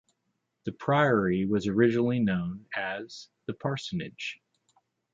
The priory was originally known as The Parsonage.